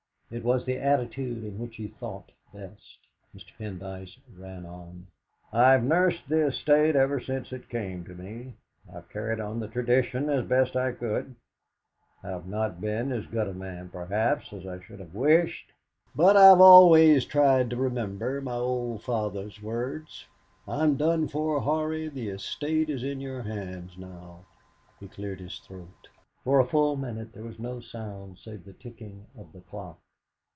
It was the attitude in which he thought best. Mr. Pendyce ran on: "I've nursed the estate ever since it came to me; I've carried on the tradition as best I could; I've not been as good a man, perhaps, as I should have wished, but I've always tried to remember my old father's words: 'I'm done for, Horry; the estate's in your hands now.'. He cleared his throat. For a full minute there was no sound save the ticking of the clock.